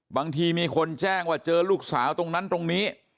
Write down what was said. บางทีมีคนแจ้งว่าเจอลูกสาวตรงนั้นตรงนี้